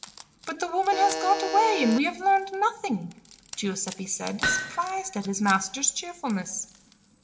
"But the woman has got away and we have learned nothing," Giuseppi said, surprised at his master's cheerfulness.